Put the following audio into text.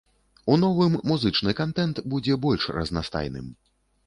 У новым музычны кантэнт будзе больш разнастайным.